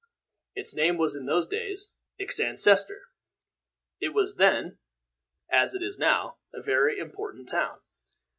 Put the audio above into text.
Its name was in those days Exancester. It was then, as it is now, a very important town.